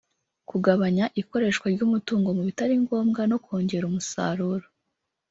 kugabanya ikoreshwa ry’umutungo mu bitari ngombwa no kongera umusaruro”